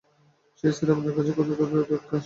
সেই স্ত্রী আপনার কাছে থেকে দূরে সরে যাচ্ছেন।